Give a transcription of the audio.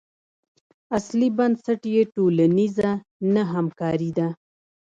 اصلي بنسټ یې ټولنیزه نه همکاري ده.